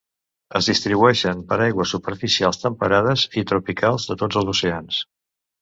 Es distribueixen per aigües superficials temperades i tropicals de tots els oceans.